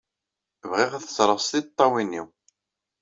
Bɣiɣ ad t-ẓreɣ s tiṭṭawin-inu.